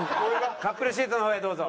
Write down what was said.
カップルシートの方へどうぞ。